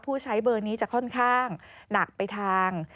ใช้เบอร์นี้จะค่อนข้างหนักไปทาง